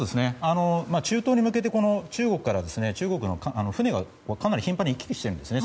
中東に向けて中国の船がかなり頻繁に行き来しているんですね。